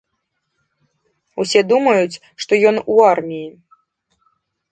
Усе думаюць, што ён у арміі.